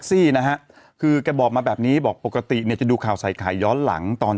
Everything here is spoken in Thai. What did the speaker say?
ซี่นะฮะคือแกบอกมาแบบนี้บอกปกติเนี่ยจะดูข่าวใส่ไข่ย้อนหลังตอน